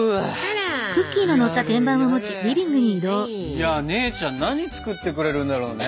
いや姉ちゃん何作ってくれるんだろうね。